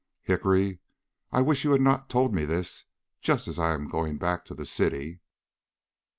"Hickory, I wish you had not told me this just as I am going back to the city."